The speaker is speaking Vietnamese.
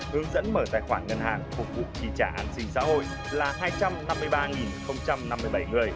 hướng dẫn mở tài khoản ngân hàng phục vụ tri trả an sinh xã hội là hai trăm năm mươi ba năm mươi bảy người